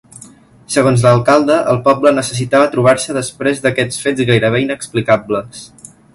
Segons l’alcalde, el poble necessitava trobar-se després d’aquests fets gairebé inexplicables.